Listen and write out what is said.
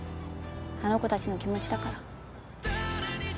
あの子たちの気持ちだから。